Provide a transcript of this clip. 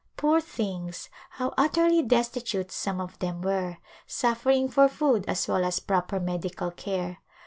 Poor things, how utterly destitute some of them were, suffering for food as well as proper medical care.